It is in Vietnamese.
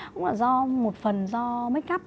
cũng là do một phần do make up